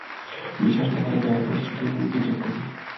বিশ্বাস না হলে, দয়া করে শ্রুতির রুমে গিয়ে চেক করুন।